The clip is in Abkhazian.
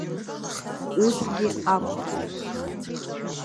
Усгьы акәзааит.